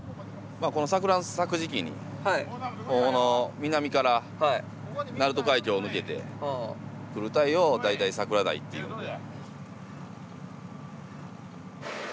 この桜の咲く時期に南から鳴門海峡を抜けてくるタイを大体サクラダイっていうので。